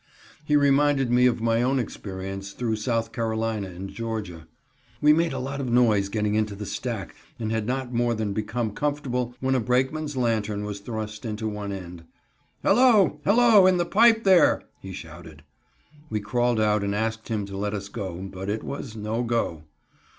He reminded me of my own experience through South Carolina and Georgia. We made a lot of noise getting into the stack, and had not more than become comfortable when a brakeman's lantern was thrust into one end. "Hello! Hello! in the pipe there," he shouted. We crawled out and asked him to let us go, but it was "no go."